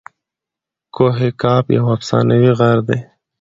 کوه قاف یو افسانوي غر دئ.